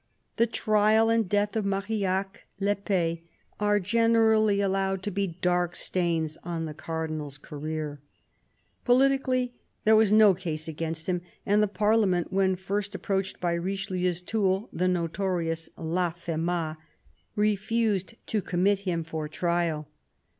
The trial and death of Marillac "I'Epee" are generally allowed to be dark stains on the Cardinal's career. Politic ally, there was no case against him, and the Parliament, when first approached by Richelieu's tool, the notorious LafFemas, refused to commit him for trial.